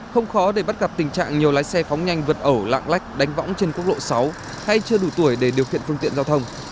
không khó để bắt gặp tình trạng nhiều lái xe phóng nhanh vượt ẩu lạng lách đánh võng trên quốc lộ sáu hay chưa đủ tuổi để điều khiển phương tiện giao thông